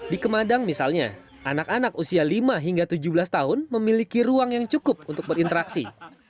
di kemadang misalnya anak anak usia lima hingga tujuh belas tahun memiliki ruang yang cukup untuk berinteraksi